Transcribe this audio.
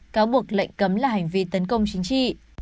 cáo buộc lệnh cấm là hành vi tấn công chính trị